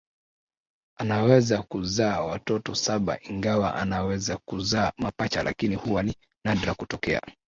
Anaweza kuzaa watoto saba ingawa anaweza kuzaa mapacha lakini huwa ni nadra kutokea